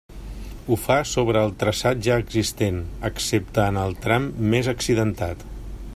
Ho fa sobre el traçat ja existent, excepte en el tram més accidentat.